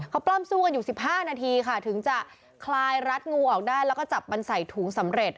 เขาปล้ำสู้กันอยู่๑๕นาทีค่ะถึงจะคลายรัดงูออกได้แล้วก็จับมันใส่ถุงสำเร็จ